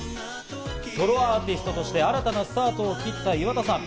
ソロアーティストとして新たなスタートを切った岩田さん。